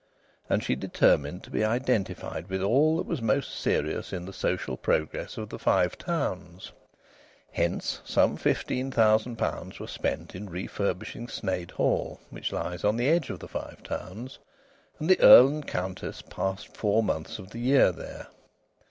And she determined to be identified with all that was most serious in the social progress of the Five Towns. Hence some fifteen thousand pounds were spent in refurbishing Sneyd Hall, which lies on the edge of the Five Towns, and the Earl and Countess passed four months of the year there.